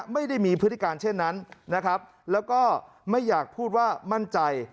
ไม่ได้มีพฤติการเช่นนั้นนะครับแล้วก็ไม่อยากพูดว่ามั่นใจ